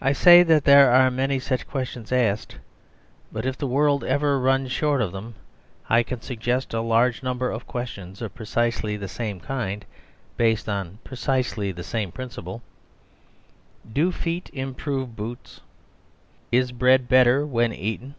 I say that there are many such questions asked. But if the world ever runs short of them, I can suggest a large number of questions of precisely the same kind, based on precisely the same principle. "Do Feet Improve Boots?" "Is Bread Better when Eaten?"